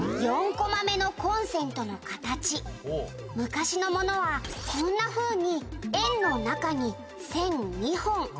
「４コマ目のコンセントの形昔のものはこんなふうに円の中に線２本」